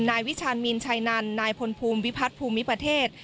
นายวิชาณมีนชัยนันนายพลภูมิวิพัฒน์ภูมิประเทศ